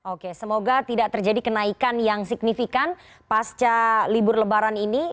oke semoga tidak terjadi kenaikan yang signifikan pasca libur lebaran ini